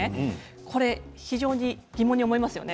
これ、非常に疑問に思いますよね。